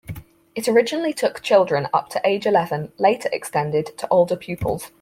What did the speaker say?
It originally took children up to age eleven, later extended to older pupils.